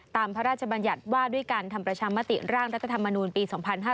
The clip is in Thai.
พระราชบัญญัติว่าด้วยการทำประชามติร่างรัฐธรรมนูลปี๒๕๕๙